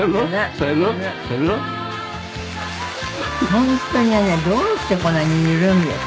本当にねどうしてこんなに似るんですかね。